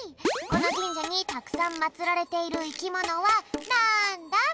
このじんじゃにたくさんまつられているいきものはなんだ？